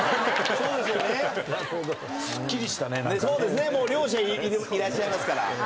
そうですね。両者いらっしゃいますから。